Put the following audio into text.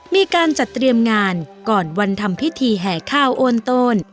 มีการจัดเตรียมงานก่อนวันทำพิธีแห่ข้าวโอนโตน